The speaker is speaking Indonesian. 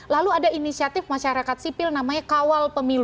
lalu ada inisiatif masyarakat sipil namanya kawal pemilu